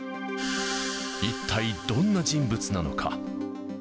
一体、どんな人物なのか。